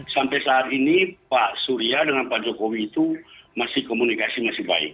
sampai saat ini pak surya dengan pak jokowi itu masih komunikasi masih baik